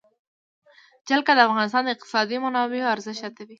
جلګه د افغانستان د اقتصادي منابعو ارزښت زیاتوي.